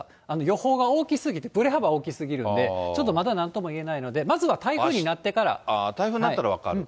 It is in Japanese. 予報が大きすぎて、ぶれ幅大きすぎるんで、ちょっとまだなんとも言えないので、まず台風になったら分かる？